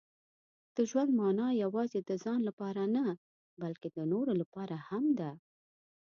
• د ژوند مانا یوازې د ځان لپاره نه، بلکې د نورو لپاره هم ده.